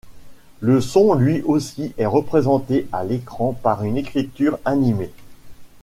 Le son lui aussi est représenté à l'écran par une écriture animée.